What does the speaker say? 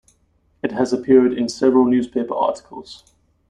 It has appeared in several newspaper articles.